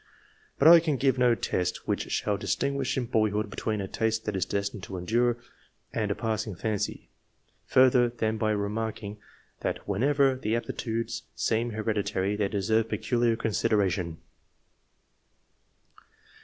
But I can give no test which shall distinguish in .boyhood between a taste that is destined to endure and a passing fancy, further than by remark ing that whenever the aptitudes seem heredi tary, they deserve peculiar consideration.